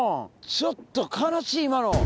ちょっと悲しい今の！